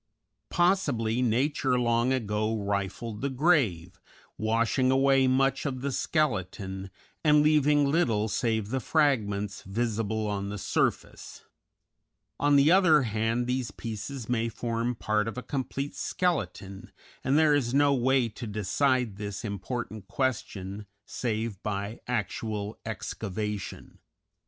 Possibly Nature long ago rifled the grave, washing away much of the skeleton, and leaving little save the fragments visible on the surface; on the other hand, these pieces may form part of a complete skeleton, and there is no way to decide this important question save by actual excavation.